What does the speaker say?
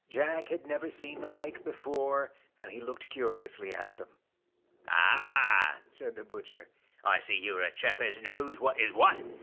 Jack had never seen the like before, and he looked curiously at them. ' Ah !' said the butcher, ' I see you are a chap as knows what is what.